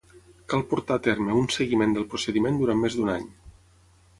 Cal portar a terme un seguiment del procediment durant més d'un any.